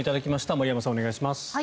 森山さん、お願いします。